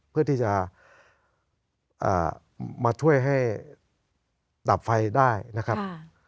เพื่อที่จะมาช่วยให้ดับไฟได้นะครับ